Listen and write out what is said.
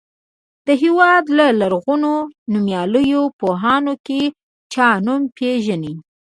د هېواد له لرغونو نومیالیو پوهانو کې چا نوم پیژنئ.